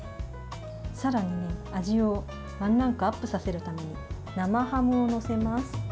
さらに味をワンランクアップさせるために生ハムを載せます。